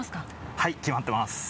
はい決まってます。